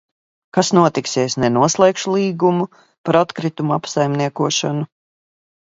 Kas notiks, ja es nenoslēgšu līgumu par atkritumu apsaimniekošanu?